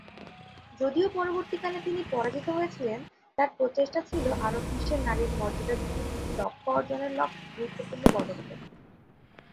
যদিও পরবর্তীকালে তিনি পরাজিত হয়েছিলেন, তার প্রচেষ্টা ছিল আরব বিশ্বে নারীর মর্যাদা বৃদ্ধির লক্ষ্য অর্জনের লক্ষ্যে গুরুত্বপূর্ণ পদক্ষেপ।